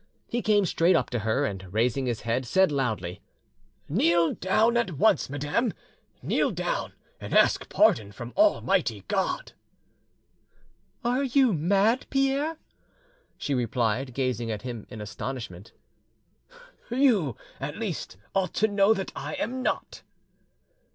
He came straight up to her, and raising his head, said loudly— "Kneel down at once, madame—kneel down, and ask pardon from Almighty God!" "Are you mad, Pierre?" she replied, gazing at him in astonishment. "You, at least, ought to know that I am not."